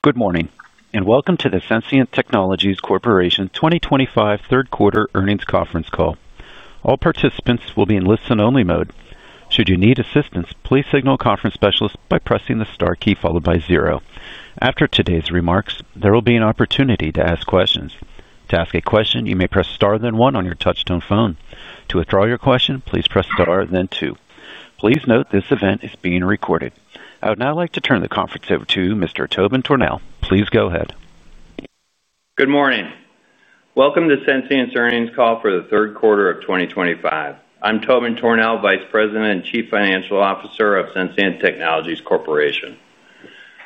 Good morning, and welcome to the Sensient Technologies Corporation 2025 third-quarter earnings conference call. All participants will be in listen-only mode. Should you need assistance, please signal a conference specialist by pressing the star key followed by zero. After today's remarks, there will be an opportunity to ask questions. To ask a question, you may press star then one on your touch-tone phone. To withdraw your question, please press star then two. Please note this event is being recorded. I would now like to turn the conference over to Mr. Tobin Tornehl. Please go ahead. Good morning. Welcome to Sensient's earnings call for the third quarter of 2025. I'm Tobin Tornehl, Vice President and Chief Financial Officer of Sensient Technologies Corporation.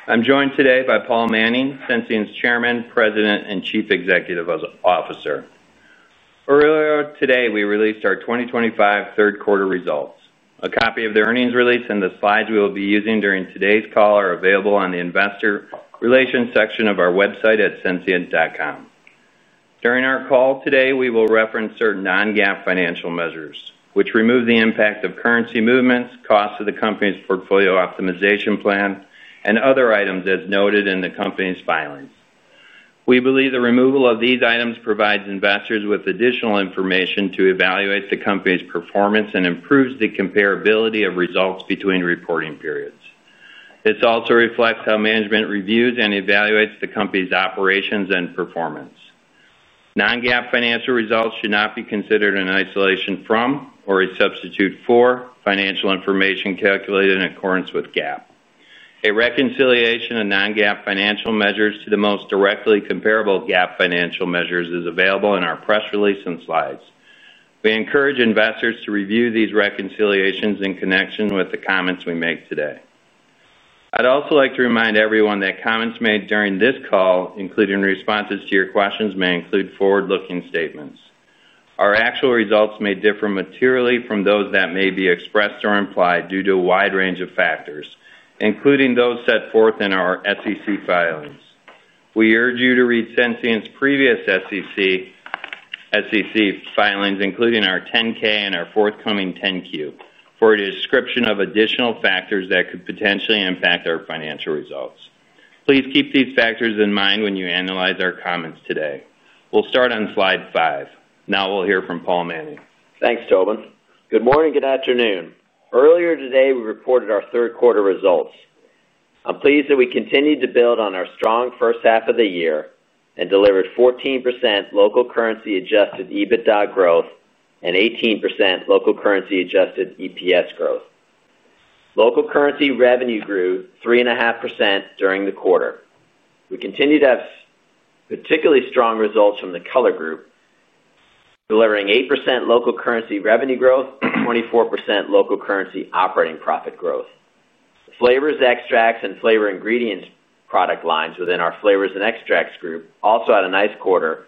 I'm joined today by Paul Manning, Sensient's Chairman, President, and Chief Executive Officer. Earlier today, we released our 2025 third-quarter results. A copy of the earnings release and the slides we will be using during today's call are available on the investor relations section of our website at sensient.com. During our call today, we will reference certain non-GAAP financial measures, which remove the impact of currency movements, costs of the company's portfolio optimization plan, and other items as noted in the company's filings. We believe the removal of these items provides investors with additional information to evaluate the company's performance and improves the comparability of results between reporting periods. This also reflects how management reviews and evaluates the company's operations and performance. Non-GAAP financial results should not be considered in isolation from or a substitute for financial information calculated in accordance with GAAP. A reconciliation of non-GAAP financial measures to the most directly comparable GAAP financial measures is available in our press release and slides. We encourage investors to review these reconciliations in connection with the comments we make today. I'd also like to remind everyone that comments made during this call, including responses to your questions, may include forward-looking statements. Our actual results may differ materially from those that may be expressed or implied due to a wide range of factors, including those set forth in our SEC filings. We urge you to read Sensient's previous SEC filings, including our 10-K and our forthcoming 10-Q, for a description of additional factors that could potentially impact our financial results. Please keep these factors in mind when you analyze our comments today. We'll start on slide five. Now we'll hear from Paul Manning. Thanks, Tobin. Good morning and good afternoon. Earlier today, we reported our third-quarter results. I'm pleased that we continued to build on our strong first half of the year and delivered 14% local currency-adjusted EBITDA growth and 18% local currency-adjusted EPS growth. Local currency revenue grew 3.5% during the quarter. We continue to have particularly strong results from the Color Group, delivering 8% local currency revenue growth and 24% local currency operating profit growth. Flavors, extracts, and flavor ingredients product lines within our Flavors and Extracts Group also had a nice quarter,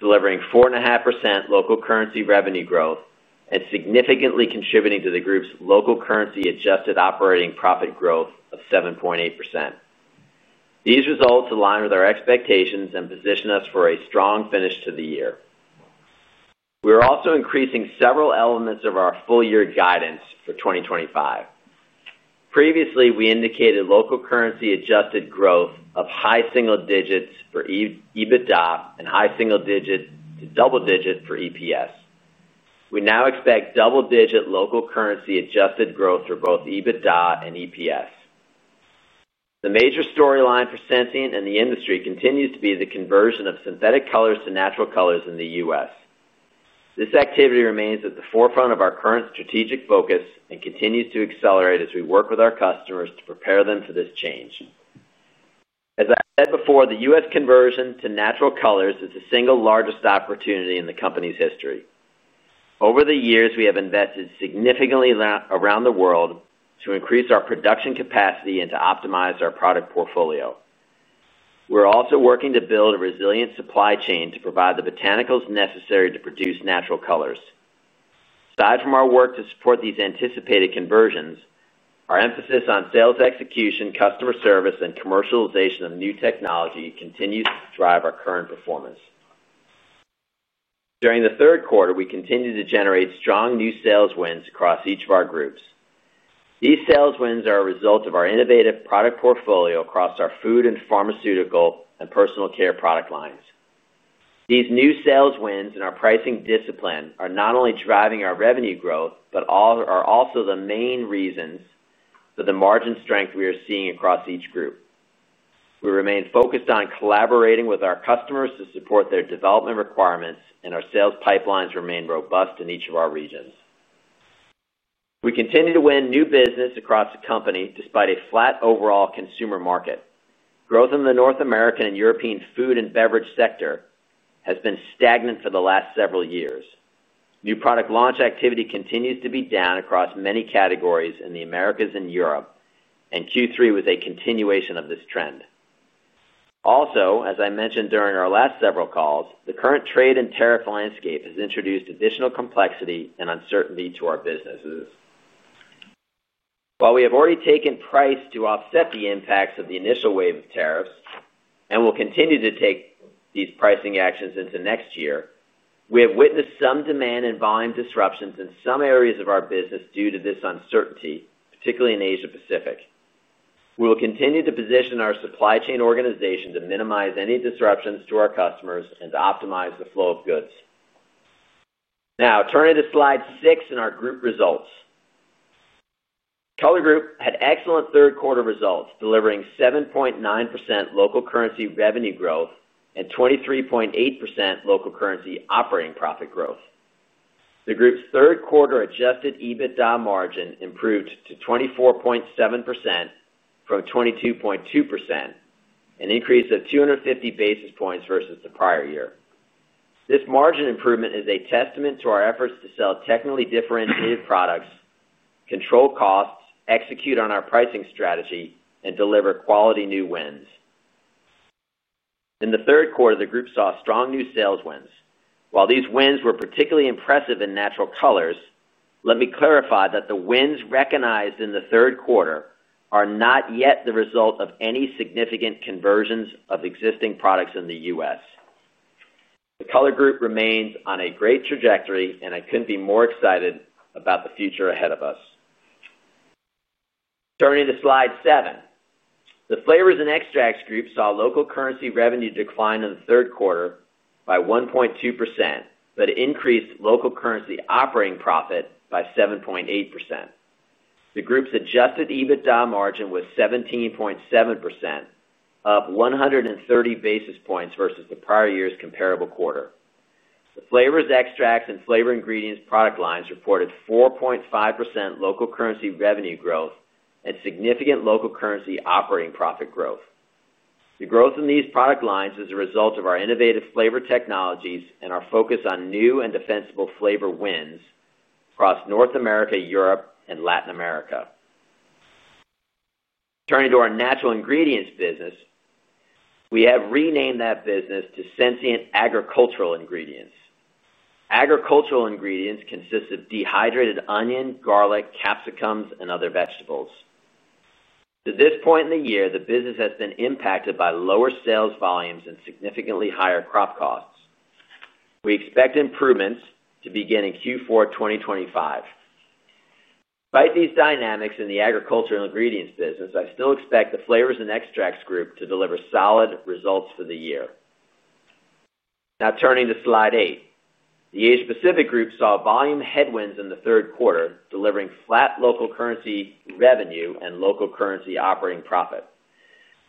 delivering 4.5% local currency revenue growth and significantly contributing to the group's local currency-adjusted operating profit growth of 7.8%. These results align with our expectations and position us for a strong finish to the year. We are also increasing several elements of our full-year guidance for 2025. Previously, we indicated local currency-adjusted growth of high single digits for EBITDA and high single digit to double digit for EPS. We now expect double digit local currency-adjusted growth for both EBITDA and EPS. The major storyline for Sensient and the industry continues to be the conversion of synthetic colors to natural colors in the U.S. This activity remains at the forefront of our current strategic focus and continues to accelerate as we work with our customers to prepare them for this change. As I said before, the U.S. conversion to natural colors is the single largest opportunity in the company's history. Over the years, we have invested significantly around the world to increase our production capacity and to optimize our product portfolio. We're also working to build a resilient supply chain to provide the botanicals necessary to produce natural colors. Aside from our work to support these anticipated conversions, our emphasis on sales execution, customer service, and commercialization of new technology continues to drive our current performance. During the third quarter, we continue to generate strong new sales wins across each of our groups. These sales wins are a result of our innovative product portfolio across our food and pharmaceutical and personal care product lines. These new sales wins and our pricing discipline are not only driving our revenue growth but are also the main reasons for the margin strength we are seeing across each group. We remain focused on collaborating with our customers to support their development requirements, and our sales pipelines remain robust in each of our regions. We continue to win new business across the company despite a flat overall consumer market. Growth in the North American and European food and beverage sector has been stagnant for the last several years. New product launch activity continues to be down across many categories in the Americas and Europe, and Q3 was a continuation of this trend. Also, as I mentioned during our last several calls, the current trade and tariff landscape has introduced additional complexity and uncertainty to our businesses. While we have already taken price to offset the impacts of the initial wave of tariffs and will continue to take these pricing actions into next year, we have witnessed some demand and volume disruptions in some areas of our business due to this uncertainty, particularly in Asia-Pacific. We will continue to position our supply chain organization to minimize any disruptions to our customers and to optimize the flow of goods. Now, turning to slide six in our group results. Color Group had excellent third-quarter results, delivering 7.9% local currency revenue growth and 23.8% local currency operating profit growth. The group's third-quarter Adjusted EBITDA margin improved to 24.7% from 22.2%, an increase of 250 basis points versus the prior year. This margin improvement is a testament to our efforts to sell technically differentiated products, control costs, execute on our pricing strategy, and deliver quality new wins. In the third quarter, the group saw strong new sales wins. While these wins were particularly impressive in natural colors, let me clarify that the wins recognized in the third quarter are not yet the result of any significant conversions of existing products in the U.S. The Color Group remains on a great trajectory, and I couldn't be more excited about the future ahead of us. Turning to slide seven, the Flavors and Extracts Group saw local currency revenue decline in the third quarter by 1.2% but increased local currency operating profit by 7.8%. The group's Adjusted EBITDA margin was 17.7%, up 130 basis points versus the prior year's comparable quarter. The flavors, extracts, and flavor ingredients product lines reported 4.5% local currency revenue growth and significant local currency operating profit growth. The growth in these product lines is a result of our innovative flavor technologies and our focus on new and defensible flavor wins across North America, Europe, and Latin America. Turning to our natural ingredients business, we have renamed that business to Sensient Agricultural Ingredients. Agricultural ingredients consist of dehydrated onion, garlic, capsicums, and other vegetables. To this point in the year, the business has been impacted by lower sales volumes and significantly higher crop costs. We expect improvements to begin in Q4 2025. Despite these dynamics in the agricultural ingredients business, I still expect the flavors and extracts group to deliver solid results for the year. Now, turning to slide eight, the Asia-Pacific group saw volume headwinds in the third quarter, delivering flat local currency revenue and local currency operating profit.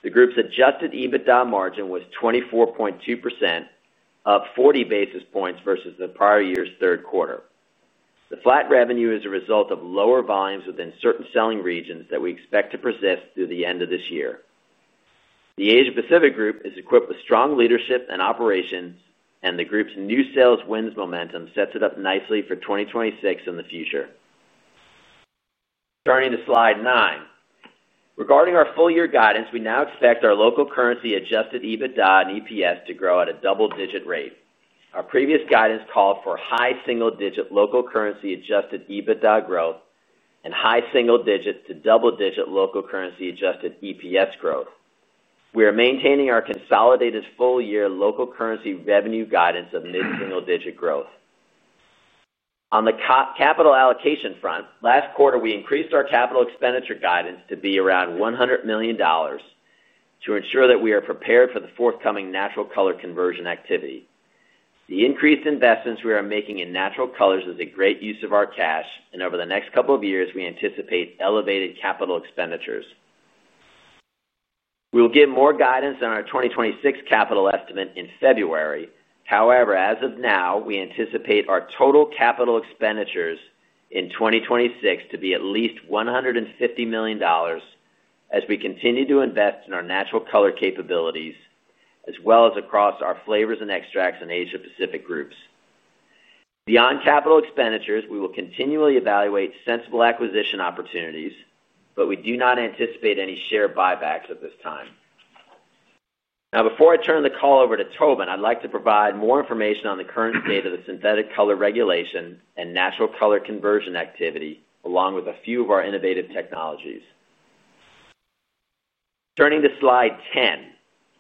The group's Adjusted EBITDA margin was 24.2%, up 40 basis points versus the prior year's third quarter. The flat revenue is a result of lower volumes within certain selling regions that we expect to persist through the end of this year. The Asia-Pacific group is equipped with strong leadership and operations, and the group's new sales wins momentum sets it up nicely for 2026 and the future. Turning to slide nine, regarding our full-year guidance, we now expect our local currency-adjusted EBITDA and EPS to grow at a double-digit rate. Our previous guidance called for high single-digit local currency-adjusted EBITDA growth and high single-digit to double-digit local currency-adjusted EPS growth. We are maintaining our consolidated full-year local currency revenue guidance of mid-single-digit growth. On the capital allocation front, last quarter, we increased our capital expenditure guidance to be around $100 million to ensure that we are prepared for the forthcoming natural color conversion activity. The increased investments we are making in natural colors is a great use of our cash, and over the next couple of years, we anticipate elevated capital expenditures. We will give more guidance on our 2026 capital estimate in February. However, as of now, we anticipate our total capital expenditures in 2026 to be at least $150 million as we continue to invest in our natural color capabilities, as well as across our flavors and extracts and Asia-Pacific groups. Beyond capital expenditures, we will continually evaluate sensible acquisition opportunities, but we do not anticipate any share buybacks at this time. Now, before I turn the call over to Tobin, I'd like to provide more information on the current state of the synthetic color regulation and natural color conversion activity, along with a few of our innovative technologies. Turning to slide 10,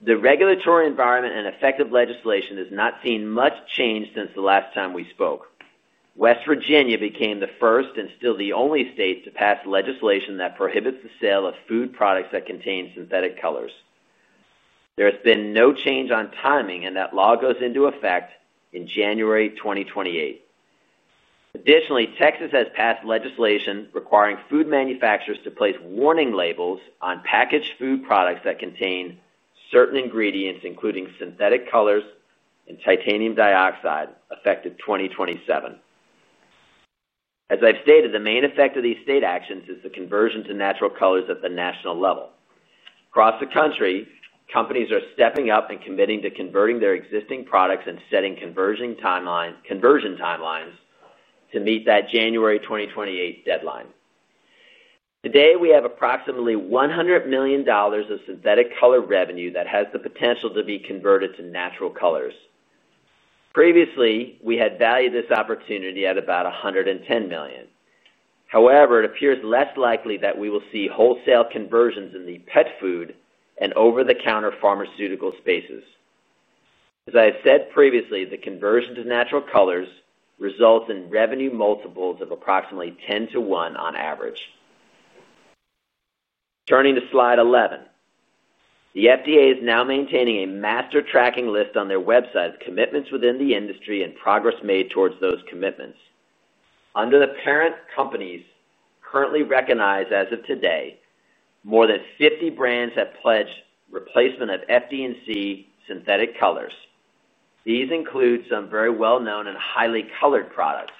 the regulatory environment and effective legislation has not seen much change since the last time we spoke. West Virginia became the first and still the only state to pass legislation that prohibits the sale of food products that contain synthetic colors. There has been no change on timing, and that law goes into effect in January 2028. Additionally, Texas has passed legislation requiring food manufacturers to place warning labels on packaged food products that contain certain ingredients, including synthetic colors and titanium dioxide, effective 2027. As I've stated, the main effect of these state actions is the conversion to natural colors at the national level. Across the country, companies are stepping up and committing to converting their existing products and setting conversion timelines to meet that January 2028 deadline. Today, we have approximately $100 million of synthetic color revenue that has the potential to be converted to natural colors. Previously, we had valued this opportunity at about $110 million. However, it appears less likely that we will see wholesale conversions in the pet food and over-the-counter pharmaceutical spaces. As I have said previously, the conversion to natural colors results in revenue multiples of approximately 10 to 1 on average. Turning to slide 11. The FDA is now maintaining a master tracking list on their website of commitments within the industry and progress made towards those commitments. Under the parent companies currently recognized as of today, more than 50 brands have pledged replacement of FD&C synthetic colors. These include some very well-known and highly colored products.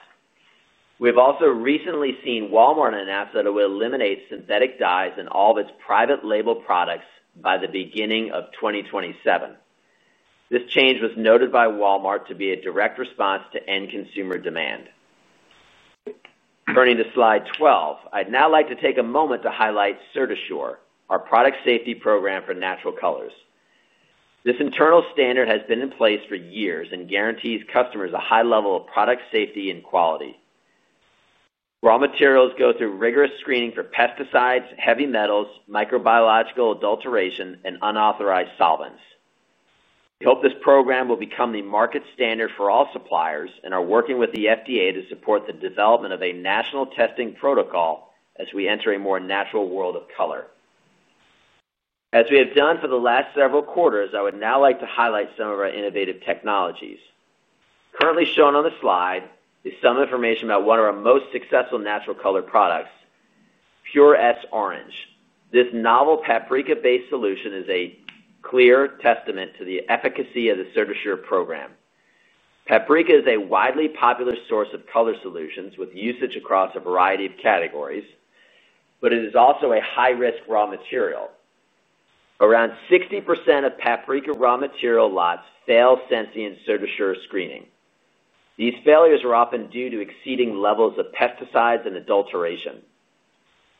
We have also recently seen Walmart announce that it will eliminate synthetic dyes in all of its private label products by the beginning of 2027. This change was noted by Walmart to be a direct response to end consumer demand. Turning to slide 12, I'd now like to take a moment to highlight Certasure, our product safety program for natural colors. This internal standard has been in place for years and guarantees customers a high level of product safety and quality. Raw materials go through rigorous screening for pesticides, heavy metals, microbiological adulteration, and unauthorized solvents. We hope this program will become the market standard for all suppliers and are working with the FDA to support the development of a national testing protocol as we enter a more natural world of color. As we have done for the last several quarters, I would now like to highlight some of our innovative technologies. Currently shown on the slide is some information about one of our most successful natural color products, Pure-S Orange. This novel paprika-based solution is a clear testament to the efficacy of the Certasure program. Paprika is a widely popular source of color solutions with usage across a variety of categories, but it is also a high-risk raw material. Around 60% of paprika raw material lots fail Sensient Certasure screening. These failures are often due to exceeding levels of pesticides and adulteration.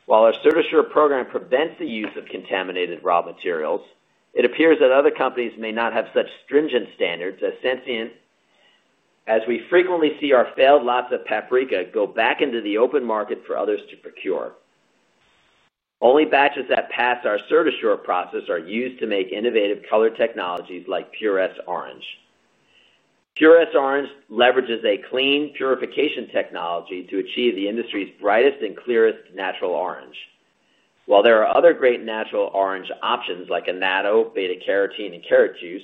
While our Certasure program prevents the use of contaminated raw materials, it appears that other companies may not have such stringent standards as Sensient. We frequently see our failed lots of paprika go back into the open market for others to procure. Only batches that pass our Certasure process are used to make innovative color technologies like Pure-S Orange. Pure-S Orange leverages a clean purification technology to achieve the industry's brightest and clearest natural orange. While there are other great natural orange options like annatto, beta carotene, and carrot juice,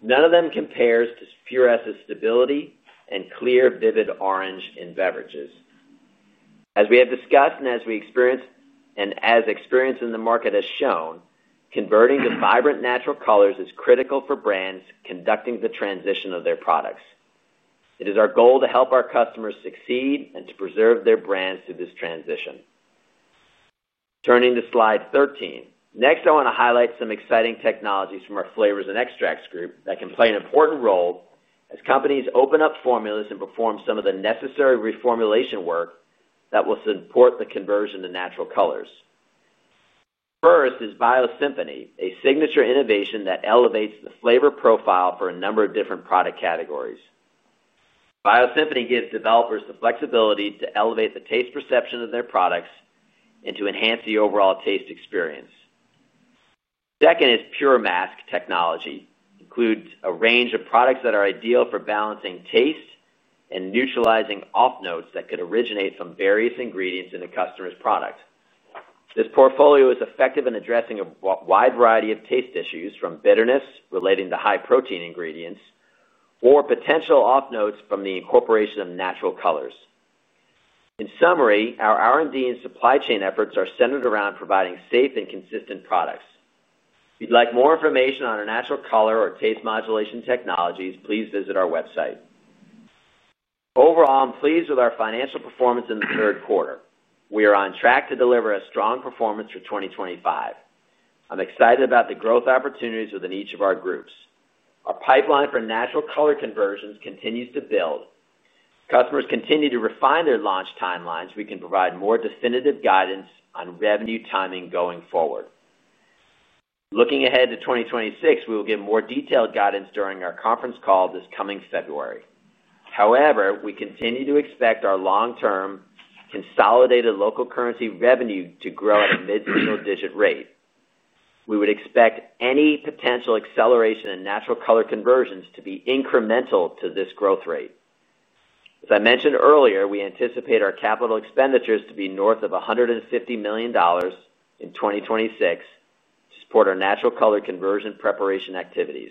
none of them compares to Pure-S's stability and clear vivid orange in beverages. As we have discussed and as experience in the market has shown, converting to vibrant natural colors is critical for brands conducting the transition of their products. It is our goal to help our customers succeed and to preserve their brands through this transition. Turning to slide 13, next I want to highlight some exciting technologies from our flavors and extracts group that can play an important role as companies open up formulas and perform some of the necessary reformulation work that will support the conversion to natural colors. First is BioSymphony, a signature innovation that elevates the flavor profile for a number of different product categories. BioSymphony gives developers the flexibility to elevate the taste perception of their products and to enhance the overall taste experience. Second is Pure Mask Technology. It includes a range of products that are ideal for balancing taste and neutralizing off-notes that could originate from various ingredients in a customer's product. This portfolio is effective in addressing a wide variety of taste issues from bitterness relating to high protein ingredients or potential off-notes from the incorporation of natural colors. In summary, our R&D and supply chain efforts are centered around providing safe and consistent products. If you'd like more information on our natural color or taste modulation technologies, please visit our website. Overall, I'm pleased with our financial performance in the third quarter. We are on track to deliver a strong performance for 2025. I'm excited about the growth opportunities within each of our groups. Our pipeline for natural color conversions continues to build. Customers continue to refine their launch timelines. We can provide more definitive guidance on revenue timing going forward. Looking ahead to 2026, we will give more detailed guidance during our conference call this coming February. However, we continue to expect our long-term consolidated local currency revenue to grow at a mid-single-digit rate. We would expect any potential acceleration in natural color conversions to be incremental to this growth rate. As I mentioned earlier, we anticipate our capital expenditures to be north of $150 million in 2026 to support our natural color conversion preparation activities.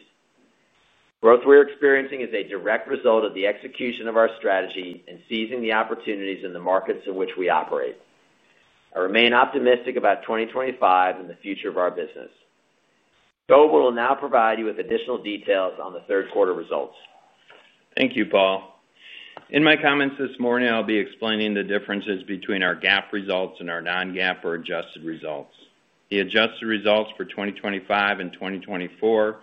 The growth we're experiencing is a direct result of the execution of our strategy and seizing the opportunities in the markets in which we operate. I remain optimistic about 2025 and the future of our business. Tobin will now provide you with additional details on the third quarter results. Thank you, Paul. In my comments this morning, I'll be explaining the differences between our GAAP results and our non-GAAP or adjusted results. The adjusted results for 2025 and 2024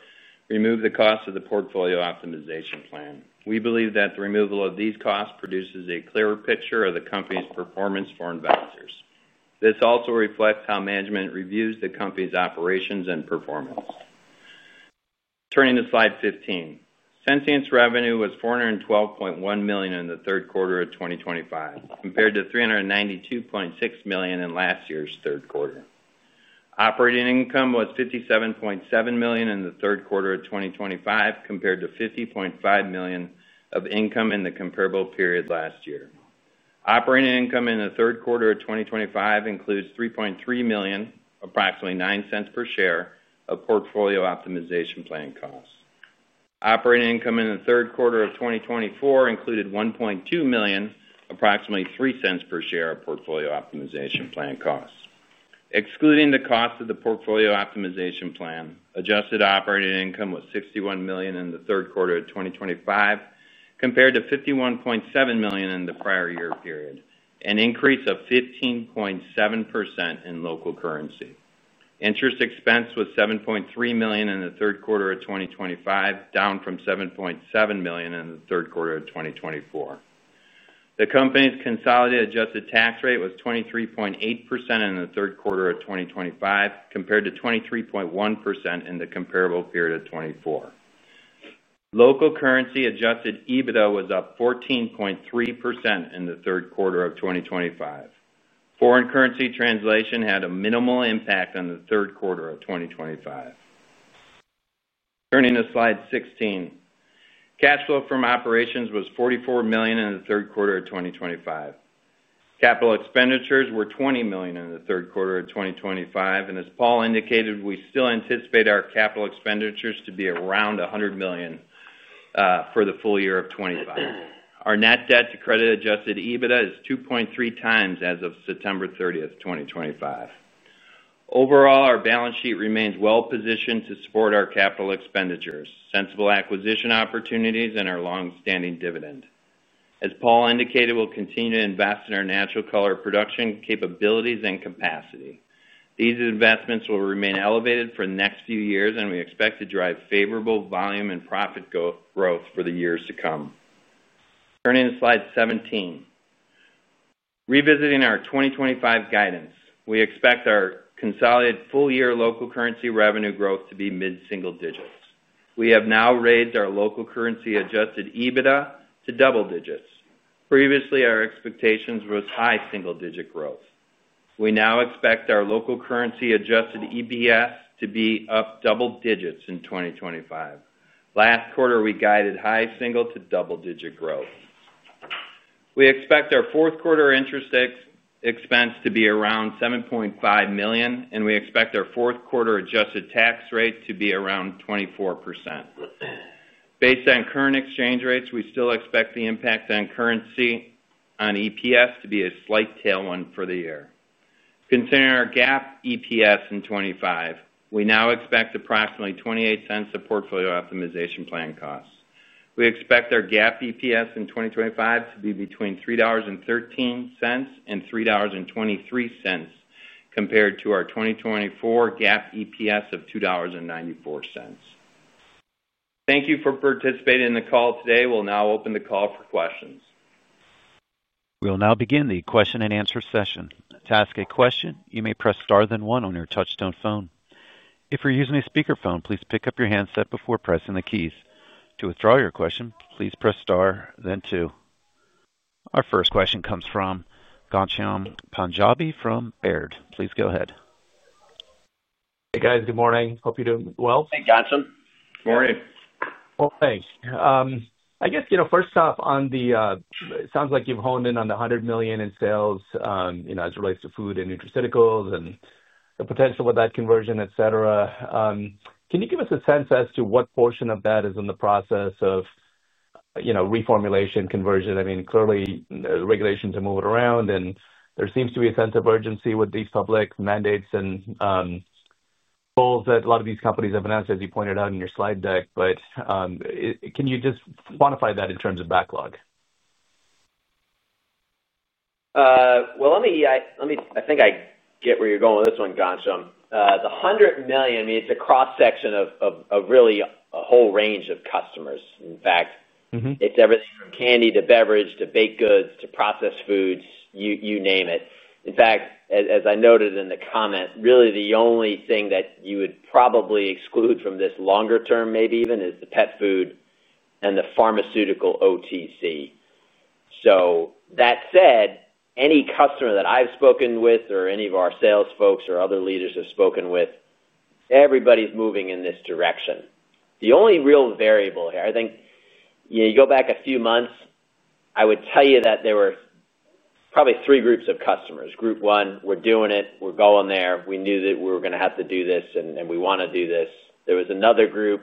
remove the cost of the portfolio optimization plan. We believe that the removal of these costs produces a clearer picture of the company's performance for investors. This also reflects how management reviews the company's operations and performance. Turning to slide 15, Sensient's revenue was $412.1 million in the third quarter of 2025, compared to $392.6 million in last year's third quarter. Operating income was $57.7 million in the third quarter of 2025, compared to $50.5 million of income in the comparable period last year. Operating income in the third quarter of 2025 includes $3.3 million, approximately $0.09 per share, of portfolio optimization plan costs. Operating income in the third quarter of 2024 included $1.2 million, approximately $0.03 per share, of portfolio optimization plan costs. Excluding the cost of the portfolio optimization plan, adjusted operating income was $61 million in the third quarter of 2025, compared to $51.7 million in the prior year period, an increase of 15.7% in local currency. Interest expense was $7.3 million in the third quarter of 2025, down from $7.7 million in the third quarter of 2024. The company's consolidated adjusted tax rate was 23.8% in the third quarter of 2025, compared to 23.1% in the comparable period of 2024. Local currency Adjusted EBITDA was up 14.3% in the third quarter of 2025. Foreign currency translation had a minimal impact on the third quarter of 2025. Turning to slide 16. Cash flow from operations was $44 million in the third quarter of 2025. Capital expenditures were $20 million in the third quarter of 2025. As Paul indicated, we still anticipate our capital expenditures to be around $100 million for the full year of 2025. Our net debt to credit Adjusted EBITDA is 2.3x as of September 30th, 2025. Overall, our balance sheet remains well-positioned to support our capital expenditures, sensible acquisition opportunities, and our long-standing dividend. As Paul indicated, we'll continue to invest in our natural color production capabilities and capacity. These investments will remain elevated for the next few years, and we expect to drive favorable volume and profit growth for the years to come. Turning to slide 17. Revisiting our 2025 guidance, we expect our consolidated full-year local currency revenue growth to be mid-single digits. We have now raised our local currency Adjusted EBITDA to double digits. Previously, our expectations were high single-digit growth. We now expect our local currency adjusted EPS to be up double digits in 2025. Last quarter, we guided high single to double-digit growth. We expect our fourth quarter interest expense to be around $7.5 million, and we expect our fourth quarter adjusted tax rate to be around 24%. Based on current exchange rates, we still expect the impact on currency on EPS to be a slight tailwind for the year. Considering our GAAP EPS in 2025, we now expect approximately $0.28 of portfolio optimization plan costs. We expect our GAAP EPS in 2025 to be between $3.13 and $3.23, compared to our 2024 GAAP EPS of $2.94. Thank you for participating in the call today. We'll now open the call for questions. We'll now begin the question and answer session. To ask a question, you may press star then one on your touch-tone phone. If you're using a speakerphone, please pick up your handset before pressing the keys. To withdraw your question, please press star then two. Our first question comes from Ghansham Panjabi from Baird. Please go ahead. Hey guys, good morning. Hope you're doing well. Hey Ghansham. How are you? Well, thanks. I guess, you know, first off, it sounds like you've honed in on the $100 million in sales, you know, as it relates to food and nutraceuticals and the potential with that conversion, et cetera. Can you give us a sense as to what portion of that is in the process of reformulation, conversion? I mean, clearly, regulations are moving around, and there seems to be a sense of urgency with these public mandates and goals that a lot of these companies have announced, as you pointed out in your slide deck. Can you just quantify that in terms of backlog? I think I get where you're going with this one, Ghansham. The $100 million means a cross-section of really a whole range of customers. In fact, it's everything from candy to beverage to baked goods to processed foods, you name it. In fact, as I noted in the comment, really the only thing that you would probably exclude from this longer-term, maybe even, is the pet food and the pharmaceutical OTC. That said, any customer that I've spoken with or any of our sales folks or other leaders have spoken with, everybody's moving in this direction. The only real variable here, I think, you go back a few months, I would tell you that there were probably three groups of customers. Group one, we're doing it, we're going there, we knew that we were going to have to do this and we want to do this. There was another group,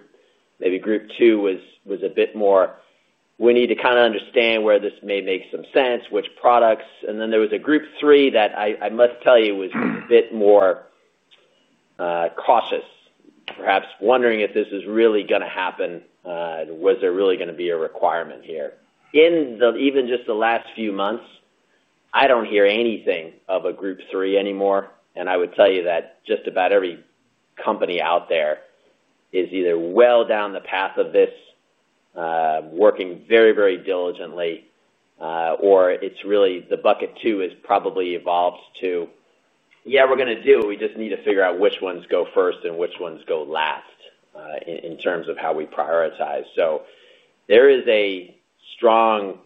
maybe group two was a bit more, we need to kind of understand where this may make some sense, which products. There was a group three that I must tell you was a bit more cautious, perhaps wondering if this is really going to happen. Was there really going to be a requirement here? In even just the last few months, I don't hear anything of a group three anymore. I would tell you that just about every company out there is either well down the path of this, working very, very diligently, or it's really the bucket two has probably evolved to, yeah, we're going to do it. We just need to figure out which ones go first and which ones go last in terms of how we prioritize. There is a strong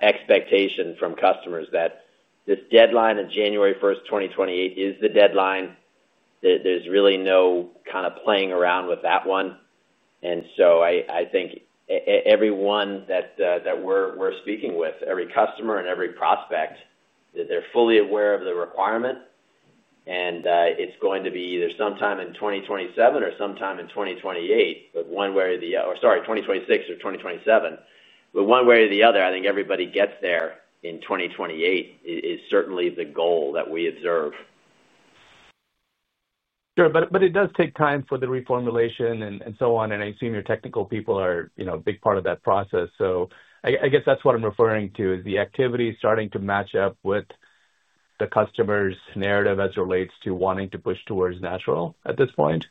expectation from customers that this deadline of January 1st, 2028 is the deadline. There's really no kind of playing around with that one. I think everyone that we're speaking with, every customer and every prospect, they're fully aware of the requirement. It's going to be either sometime in 2027 or sometime in 2028, or sorry, 2026 or 2027, but one way or the other, I think everybody gets there in 2028 is certainly the goal that we observe. It does take time for the reformulation and so on. I assume your technical people are a big part of that process. I guess that's what I'm referring to, is the activity starting to match up with the customer's narrative as it relates to wanting to push towards natural at this point?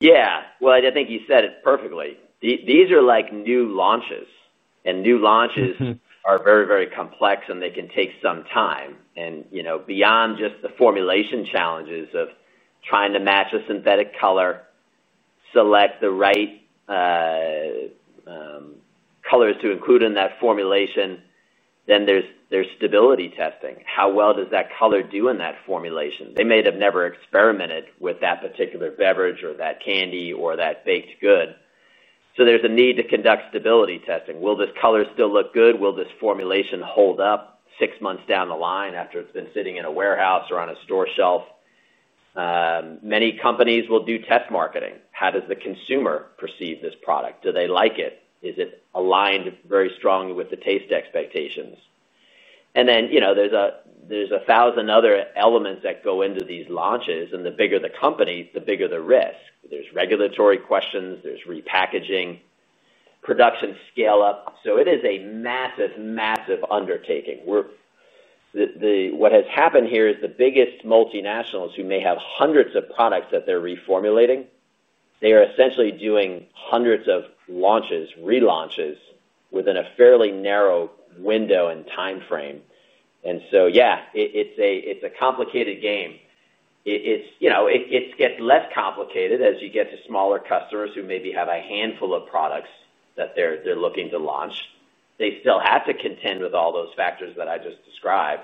Yeah. I think you said it perfectly. These are like new launches, and new launches are very, very complex, and they can take some time. Beyond just the formulation challenges of trying to match a synthetic color, select the right colors to include in that formulation, then there's stability testing. How well does that color do in that formulation? They may have never experimented with that particular beverage or that candy or that baked good, so there's a need to conduct stability testing. Will this color still look good? Will this formulation hold up six months down the line after it's been sitting in a warehouse or on a store shelf? Many companies will do test marketing. How does the consumer perceive this product? Do they like it? Is it aligned very strongly with the taste expectations? There's a thousand other elements that go into these launches. The bigger the company, the bigger the risk. There's regulatory questions. There's repackaging. Production scale-up. It is a massive, massive undertaking. What has happened here is the biggest multinationals who may have hundreds of products that they're reformulating are essentially doing hundreds of launches, relaunches within a fairly narrow window and timeframe. It's a complicated game. It gets less complicated as you get to smaller customers who maybe have a handful of products that they're looking to launch. They still have to contend with all those factors that I just described.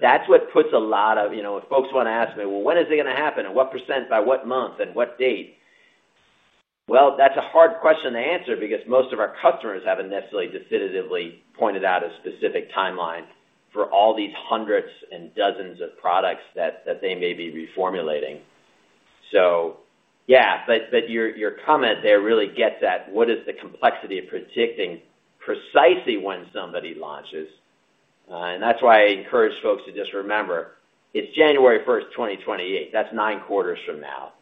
That puts a lot of, you know, if folks want to ask me, when is it going to happen? What percent, by what month, and what date? That's a hard question to answer because most of our customers haven't necessarily definitively pointed out a specific timeline for all these hundreds and dozens of products that they may be reformulating. Your comment there really gets at what is the complexity of predicting precisely when somebody launches. I encourage folks to just remember, it's January 1st, 2028. That's nine quarters from now.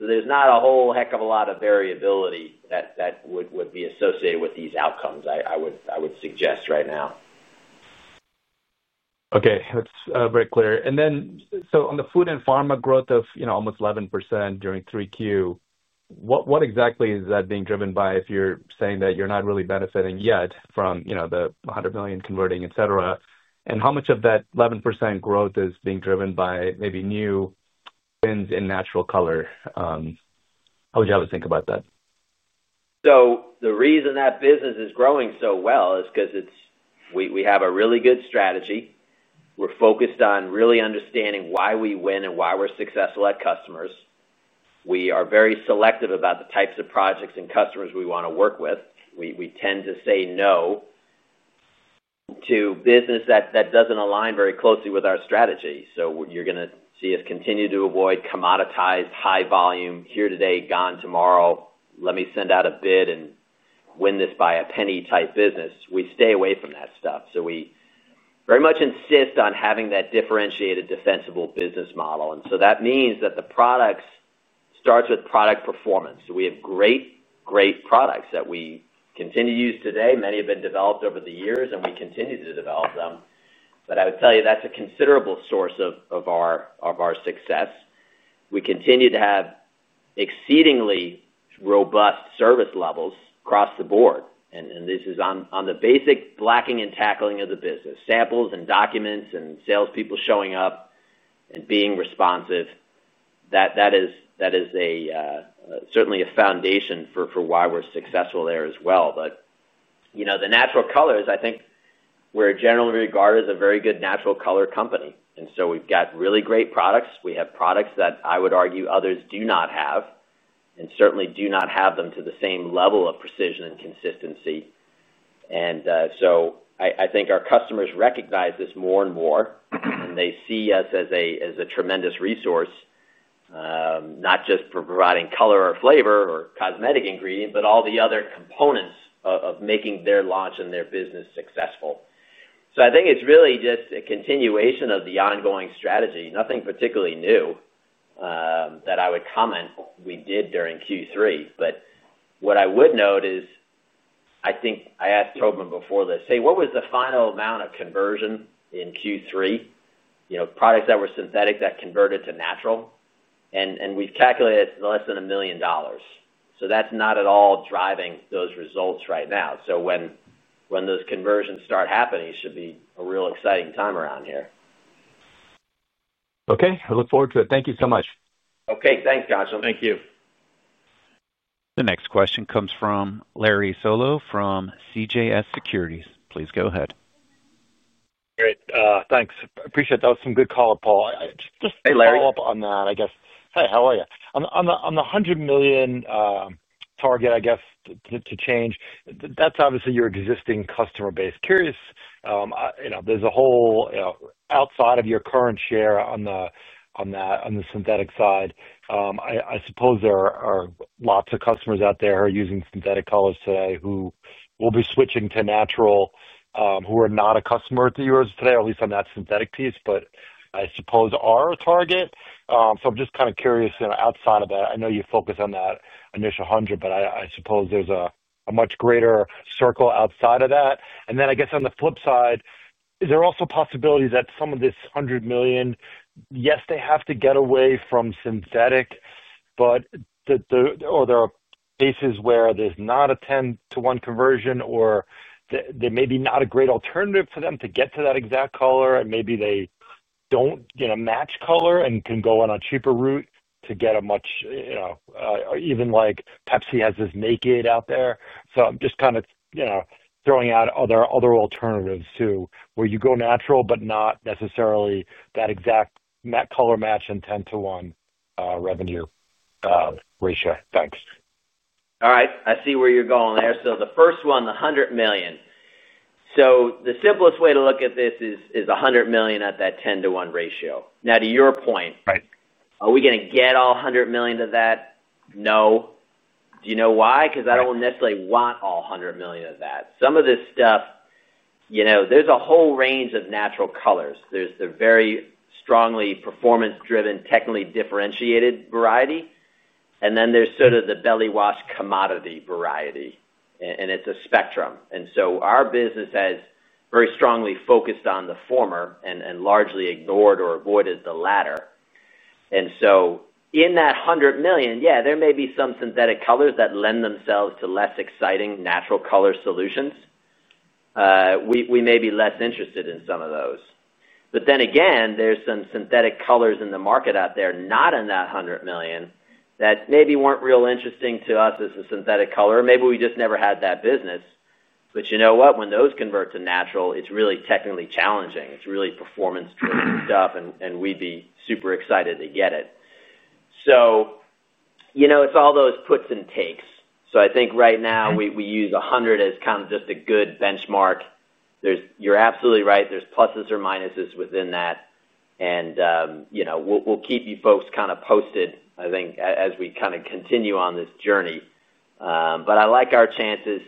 There's not a whole heck of a lot of variability that would be associated with these outcomes, I would suggest right now. That's very clear. On the food and pharma growth of almost 11% during 3Q, what exactly is that being driven by if you're saying that you're not really benefiting yet from the $100 million converting, etc.? How much of that 11% growth is being driven by maybe new wins in natural color? How would you have to think about that? The reason that business is growing so well is because we have a really good strategy. We're focused on really understanding why we win and why we're successful at customers. We are very selective about the types of projects and customers we want to work with. We tend to say no to business that doesn't align very closely with our strategy. You're going to see us continue to avoid commoditized, high-volume, here today, gone tomorrow, let me send out a bid and win this by a penny type business. We stay away from that stuff. We very much insist on having that differentiated, defensible business model. That means that the products start with product performance. We have great, great products that we continue to use today. Many have been developed over the years, and we continue to develop them. I would tell you that's a considerable source of our success. We continue to have exceedingly robust service levels across the board. This is on the basic blocking and tackling of the business, samples and documents, and salespeople showing up and being responsive. That is certainly a foundation for why we're successful there as well. The natural colors, I think, we're generally regarded as a very good natural color company. We've got really great products. We have products that I would argue others do not have and certainly do not have them to the same level of precision and consistency. I think our customers recognize this more and more, and they see us as a tremendous resource, not just for providing color or flavor or cosmetic ingredients, but all the other components of making their launch and their business successful. I think it's really just a continuation of the ongoing strategy. Nothing particularly new that I would comment we did during Q3. What I would note is, I think I asked Tobin before this, hey, what was the final amount of conversion in Q3, products that were synthetic that converted to natural, and we've calculated it's less than $1 million. That's not at all driving those results right now. When those conversions start happening, it should be a real exciting time around here. I look forward to it. Thank you so much. Thanks, Ghansham. Thank you. The next question comes from Larry Solow from CJS Securities. Please go ahead. Great, thanks. Appreciate that. That was some good call, Paul. Just a follow-up on that, I guess. Hey, how are you? On the $100 million target, I guess, to change, that's obviously your existing customer base. Curious, there's a whole outside of your current share on the synthetic side. I suppose there are lots of customers out there who are using synthetic colors today who will be switching to natural, who are not a customer to yours today, at least on that synthetic piece, but I suppose are a target. I'm just kind of curious outside of that. I know you focus on that initial $100 million, but I suppose there's a much greater circle outside of that. I guess on the flip side, is there also a possibility that some of this $100 million, yes, they have to get away from synthetic, but are there cases where there's not a 10 to 1 conversion, or. They may be not a great alternative for them to get to that exact color, and maybe they don't match color and can go on a cheaper route to get a much, you know, even like Pepsi has this naked out there. I'm just kind of throwing out other alternatives too, where you go natural but not necessarily that exact color match and 10 to 1 revenue ratio. Thanks. All right. I see where you're going there. The first one, the $100 million. The simplest way to look at this is $100 million at that 10 to 1 ratio. Now, to your point, are we going to get all $100 million of that? No. Do you know why? Because I don't necessarily want all $100 million of that. Some of this stuff, there's a whole range of natural colors. There's the very strongly performance-driven, technically differentiated variety, and then there's sort of the belly-wash commodity variety. It's a spectrum. Our business has very strongly focused on the former and largely ignored or avoided the latter. In that $100 million, yeah, there may be some synthetic colors that lend themselves to less exciting natural color solutions. We may be less interested in some of those. Then again, there's some synthetic colors in the market out there, not in that $100 million, that maybe weren't real interesting to us as a synthetic color. Maybe we just never had that business. You know what? When those convert to natural, it's really technically challenging. It's really performance-driven stuff, and we'd be super excited to get it. It's all those puts and takes. I think right now we use 100 as kind of just a good benchmark. You're absolutely right. There's pluses or minuses within that. We'll keep you folks kind of posted, I think, as we kind of continue on this journey. I like our chances.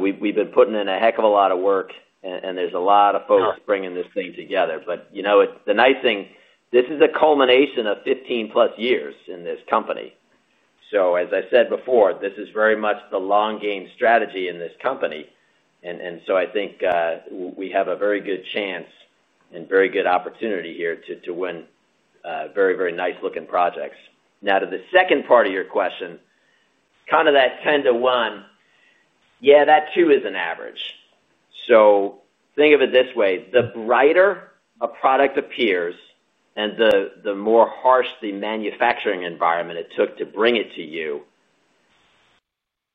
We've been putting in a heck of a lot of work, and there's a lot of folks bringing this thing together. The nice thing, this is a culmination of 15+ years in this company. As I said before, this is very much the long-game strategy in this company. I think we have a very good chance and very good opportunity here to win very, very nice-looking projects. Now, to the second part of your question, kind of that 10 to 1. Yeah, that too is an average. Think of it this way. The brighter a product appears and the more harsh the manufacturing environment it took to bring it to you,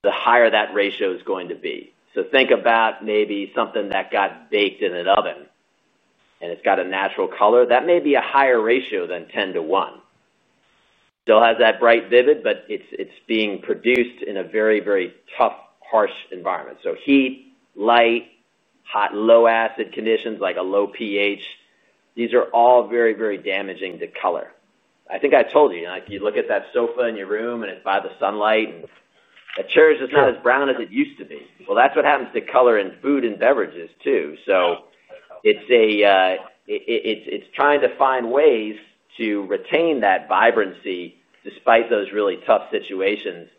the higher that ratio is going to be. Think about maybe something that got baked in an oven, and it's got a natural color. That may be a higher ratio than 10 to 1. It still has that bright vivid, but it's being produced in a very, very tough, harsh environment. Heat, light, hot, low acid conditions, like a low pH, these are all very, very damaging to color. I think I told you, you look at that sofa in your room and it's by the sunlight, and the chair is just not as brown as it used to be. That's what happens to color in food and beverages too. It's trying to find ways to retain that vibrancy despite those really tough situations.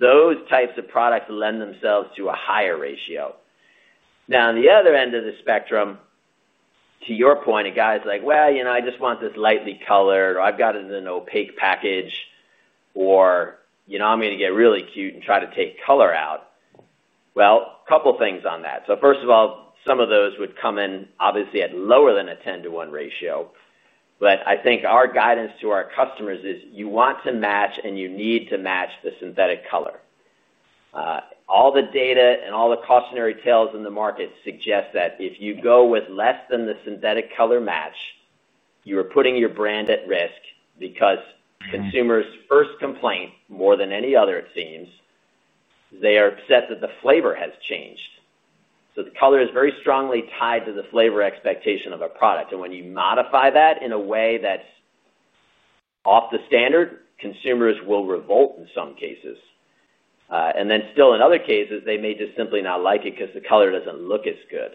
Those types of products lend themselves to a higher ratio. On the other end of the spectrum, to your point, a guy is like, "I just want this lightly colored," or, "I've got it in an opaque package," or, "I'm going to get really cute and try to take color out." A couple of things on that. First of all, some of those would come in, obviously, at lower than a 10 to 1 ratio. I think our guidance to our customers is you want to match, and you need to match the synthetic color. All the data and all the cautionary tales in the market suggest that if you go with less than the synthetic color match, you are putting your brand at risk because consumers' first complaint, more than any other, it seems, is they are upset that the flavor has changed. The color is very strongly tied to the flavor expectation of a product. When you modify that in a way that's off the standard, consumers will revolt in some cases. In other cases, they may just simply not like it because the color doesn't look as good.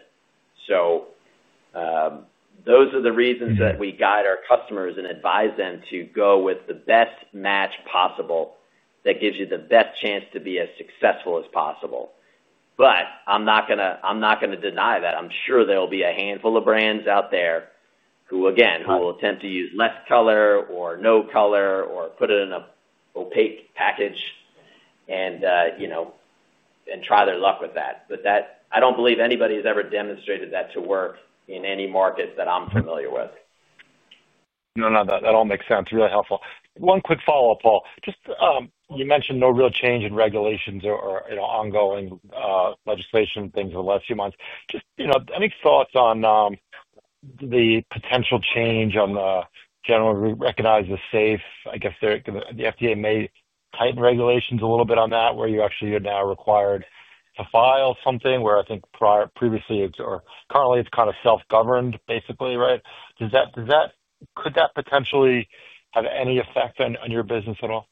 Those are the reasons that we guide our customers and advise them to go with the best match possible that gives you the best chance to be as successful as possible. I'm not going to deny that. I'm sure there will be a handful of brands out there, again, who will attempt to use less color or no color or put it in an opaque package and try their luck with that. I don't believe anybody has ever demonstrated that to work in any market that I'm familiar with. That all makes sense. Really helpful. One quick follow-up, Paul. You mentioned no real change in regulations or ongoing legislation, things over the last few months. Any thoughts on the potential change on the generally recognized as safe? I guess the FDA may tighten regulations a little bit on that, where you actually are now required to file something, where I think previously or currently it's kind of self-governed, basically, right? Could that potentially have any effect on your business at all?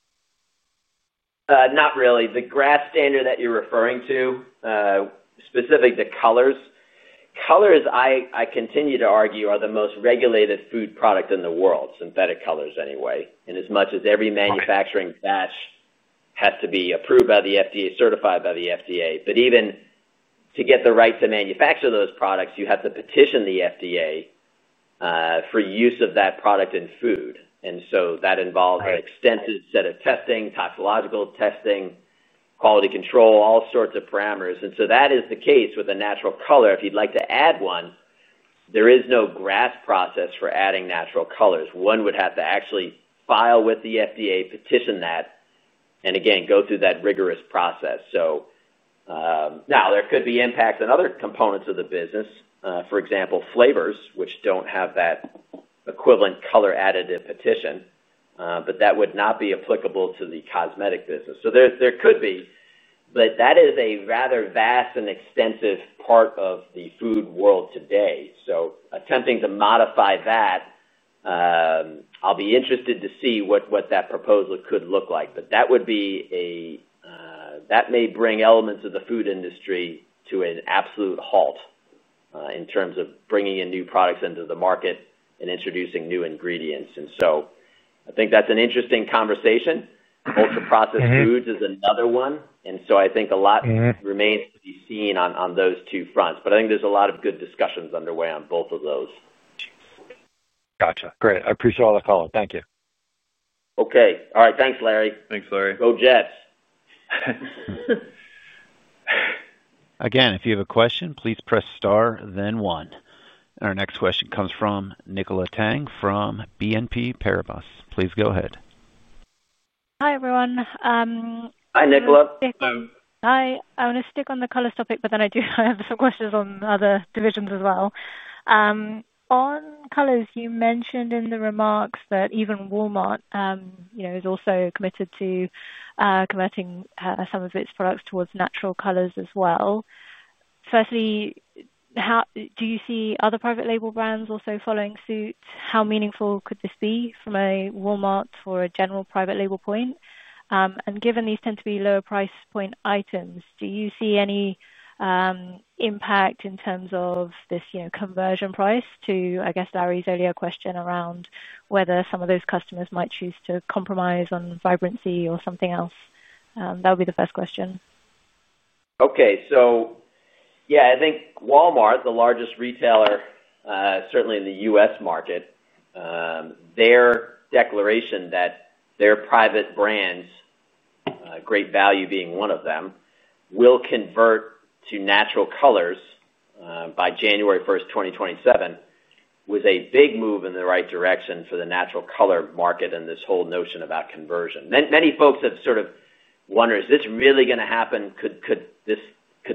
Not really. The GRAS standard that you're referring to, specific to colors. Colors, I continue to argue, are the most regulated food product in the world, synthetic colors anyway. As much as every manufacturing batch has to be approved by the FDA, certified by the FDA, even to get the right to manufacture those products, you have to petition the FDA for use of that product in food. That involves an extensive set of testing, toxicological testing, quality control, all sorts of parameters. That is the case with a natural color. If you'd like to add one, there is no GRAS process for adding natural colors. One would have to actually file with the FDA, petition that, and again, go through that rigorous process. There could be impacts on other components of the business. For example, flavors, which don't have that equivalent color additive petition, but that would not be applicable to the cosmetic business. There could be, but that is a rather vast and extensive part of the food world today. Attempting to modify that, I'll be interested to see what that proposal could look like. That may bring elements of the food industry to an absolute halt in terms of bringing in new products into the market and introducing new ingredients. I think that's an interesting conversation. Ultra-processed foods is another one. I think a lot remains to be seen on those two fronts. I think there's a lot of good discussions underway on both of those. Gotcha. Great. I appreciate all the color. Thank you. Okay. All right. Thanks, Larry. Thanks, Larry. Go Jets. Again, if you have a question, please press star, then one. Our next question comes from Nicola Tang from BNP Paribas. Please go ahead. Hi, everyone. Hi, Nicola. Hello. Hi. I want to stick on the colors topic, but then I do have some questions on other divisions as well. On colors, you mentioned in the remarks that even Walmart is also committed to converting some of its products towards natural colors as well. Firstly, do you see other private label brands also following suit? How meaningful could this be from a Walmart or a general private label point? Given these tend to be lower price point items, do you see any impact in terms of this conversion price to, I guess, Larry's earlier question around whether some of those customers might choose to compromise on vibrancy or something else? That would be the first question. I think Walmart, the largest retailer, certainly in the U.S. market, their declaration that their private brands, Great Value being one of them, will convert to natural colors by January 1st, 2027, was a big move in the right direction for the natural color market and this whole notion about conversion. Many folks have sort of wondered, is this really going to happen? Could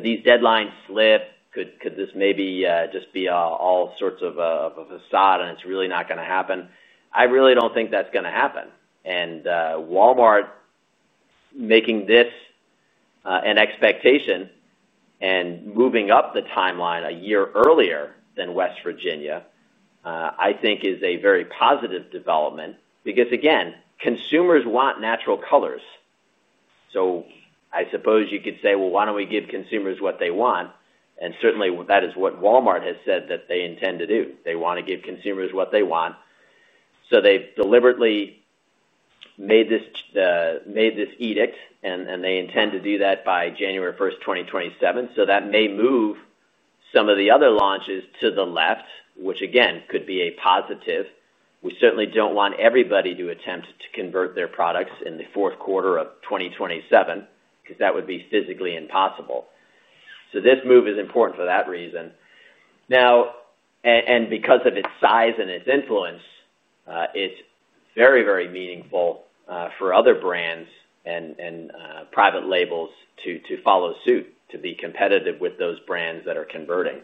these deadlines slip? Could this maybe just be all sorts of a facade, and it's really not going to happen? I really don't think that's going to happen. Walmart making this an expectation and moving up the timeline a year earlier than West Virginia, I think, is a very positive development because, again, consumers want natural colors. I suppose you could say, why don't we give consumers what they want? Certainly, that is what Walmart has said that they intend to do. They want to give consumers what they want. They've deliberately made this edict, and they intend to do that by January 1st, 2027. That may move some of the other launches to the left, which could be a positive. We certainly don't want everybody to attempt to convert their products in the fourth quarter of 2027 because that would be physically impossible. This move is important for that reason. Because of its size and its influence, it's very, very meaningful for other brands and private labels to follow suit, to be competitive with those brands that are converting.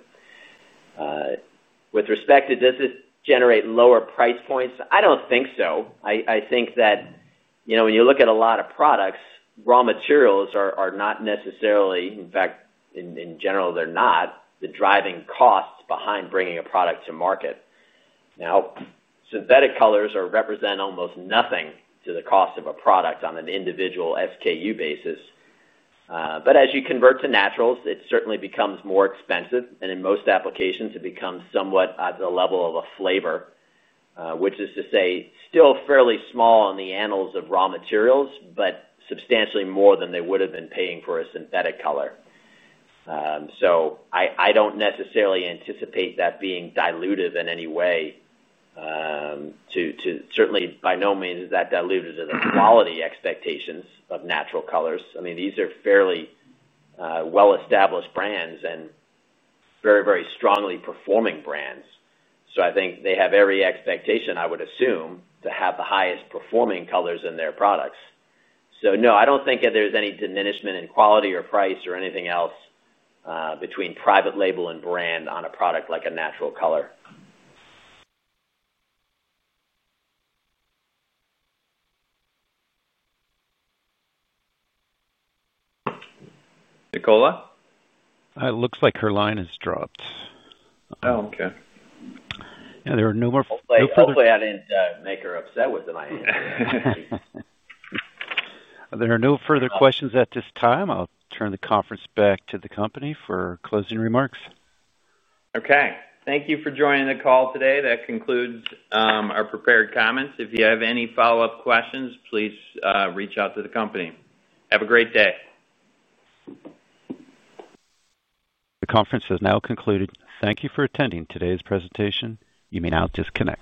With respect to, does it generate lower price points? I don't think so. When you look at a lot of products, raw materials are not necessarily, in fact, in general, they're not the driving costs behind bringing a product to market. Synthetic colors represent almost nothing to the cost of a product on an individual SKU basis. As you convert to naturals, it certainly becomes more expensive. In most applications, it becomes somewhat at the level of a flavor, which is to say still fairly small on the annals of raw materials, but substantially more than they would have been paying for a synthetic color. I don't necessarily anticipate that being dilutive in any way. Certainly, by no means is that diluted to the quality expectations of natural colors. I mean, these are fairly well-established brands and very, very strongly performing brands. I think they have every expectation, I would assume, to have the highest performing colors in their products. No, I don't think that there's any diminishment in quality or price or anything else between private label and brand on a product like a natural color. Nicola? It looks like her line has dropped. Oh, okay. There are no more further— Hopefully, I didn't make her upset with the line here. There are no further questions at this time. I'll turn the conference back to the company for closing remarks. Okay. Thank you for joining the call today. That concludes our prepared comments. If you have any follow-up questions, please reach out to the company. Have a great day. The conference has now concluded. Thank you for attending today's presentation. You may now disconnect.